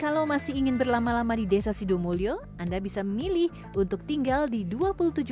kalau masih ingin berlama lama di desa sidomulyo anda bisa memilih untuk tinggal di dua puluh tujuh